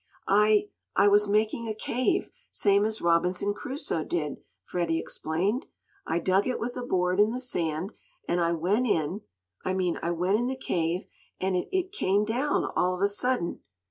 "I I was making a cave, same as Robinson Crusoe did," Freddie explained. "I dug it with a board in the sand, and I went in I mean, I went in the cave, and it it came down all of a sudden."